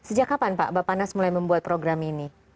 sejak kapan pak bapak nas mulai membuat program ini